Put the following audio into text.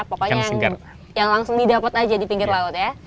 pokoknya yang langsung didapat aja di pinggir laut ya